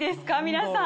皆さん。